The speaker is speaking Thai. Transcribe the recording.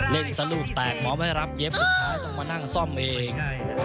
เล่นสลูกแตกหมอไม่รับเย็บสุดท้ายต้องมานั่งซ่อมเอง